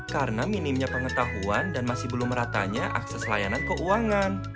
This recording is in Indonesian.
karena minimnya pengetahuan dan masih belum meratanya akses layanan keuangan